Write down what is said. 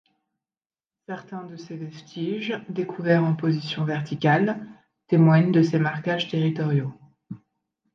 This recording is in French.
Certains de ses vestiges, découverts en position verticale, témoignent de ses marquages territoriaux.